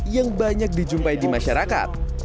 yang banyak dijumpai di masyarakat